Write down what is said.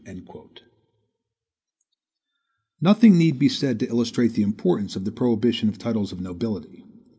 "(2) Nothing need be said to illustrate the importance of the prohibition of titles of nobility.